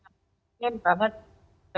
kami ingin banget